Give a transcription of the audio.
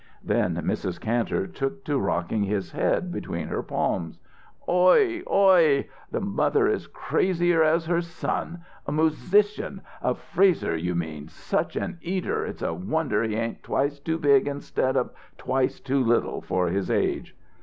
Then Mrs. Kantor took to rocking his head between her palms. "Oi oi! The mother is crazier as her son. A moosican! A Fresser you mean. Such an eater, it's a wonder he ain't twice too big instead of twice too little for his age."